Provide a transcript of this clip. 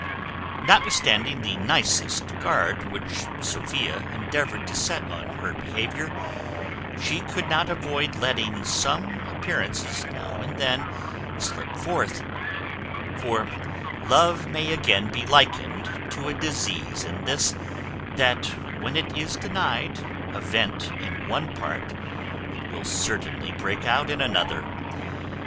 Notwithstanding the nicest guard which Sophia endeavoured to set on her behaviour, she could not avoid letting some appearances now and then slip forth: for love may again be likened to a disease in this, that when it is denied a vent in one part, it will certainly break out in another.